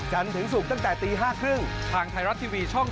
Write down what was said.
ถึงศุกร์ตั้งแต่ตี๕๓๐ทางไทยรัฐทีวีช่อง๓